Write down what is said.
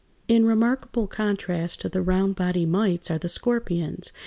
] In remarkable contrast to the round bodied mites are the scorpions (Fig.